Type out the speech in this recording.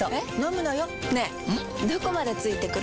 どこまで付いてくる？